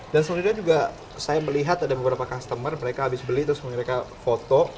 dan selain itu juga saya melihat ada beberapa customer mereka habis beli terus mengirika foto